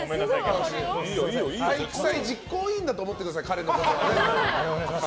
体育祭実行委員だと思ってください、彼のことは。